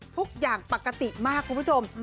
ทุกอย่างปกติมากคุณผู้ชม